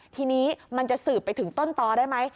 ทีนี้มันจะสืบไปถึงต้นตอได้ไหม